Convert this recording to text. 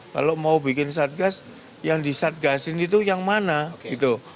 kalau mau bikin satgas yang disadgasin itu yang mana gitu